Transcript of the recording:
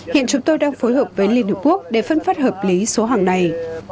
hiện chúng tôi đang phối hợp với liên hợp quốc để phân phát hợp lý số hàng này